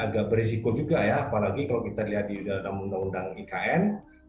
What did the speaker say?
saya pun berpikir ini juga berisiko apalagi yang diselidiki oleh undang undang ikn